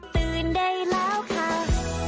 ตื่นได้แล้วค่ะซิสเข้าไปแล้วค่ะซิส